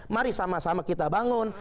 mari sama sama kita bangun